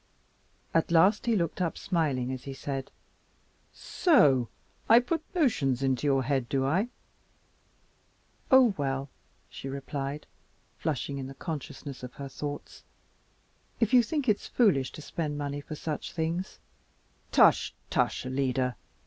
At last he looked up, smiling as he said, "So I put notions into your head, do I?" "Oh, well," she replied, flushing in the consciousness of her thoughts, "if you think it's foolish to spend money for such things " "Tush, tush, Alida!